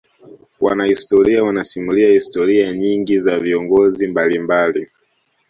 wanahistoria wanasimulia historia nyingi za viongozi mbalimbali